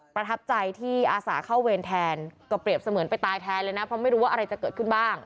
ประทับใจที่อาสาเข้าเวรแทนก็เปรียบเสมือนไปตายแทนเลยนะเพราะไม่รู้ว่าอะไรจะเกิดขึ้นบ้าง